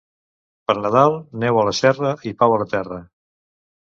Per Nadal, neu a la serra i pau a la terra.